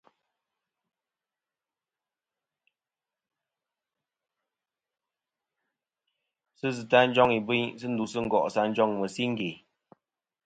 Sɨ zɨtɨ nɨ̀ njoŋ ìbɨyn ndu go'sɨ ǹ njoŋ mɨ̀siŋge.